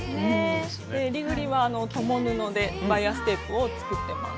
えりぐりは共布でバイアステープを作ってます。